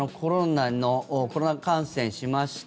コロナ感染しました。